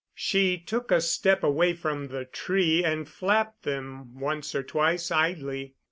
She took a step away from the tree and flapped them once or twice idly.